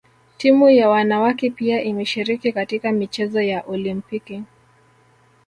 Timu ya wanawake pia imeshiriki katika michezo ya Olimpiki